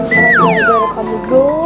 gara gara kamu dong